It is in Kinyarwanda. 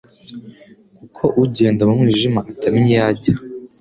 kuko ugenda mu mwijima atamenya iyo ajya.